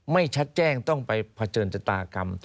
ไม่ชัดแจ้งต้องไปเผชิญชะตากรรม